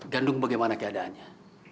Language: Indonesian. gandung bagaimana keadaannya